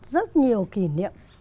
rất nhiều kỷ niệm